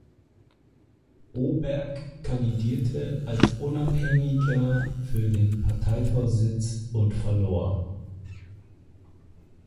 Oberg kandidierte als Unabhängiger für den Parteivorsitz und verlor.